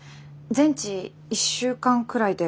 全治１週間くらいで。